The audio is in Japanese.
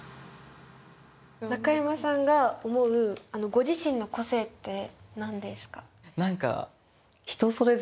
中山さんが思うご自身の個性って何ですか？